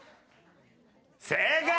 正解！